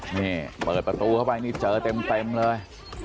นี่เปิดประตูเข้าไปนี่เจอเต็มเลย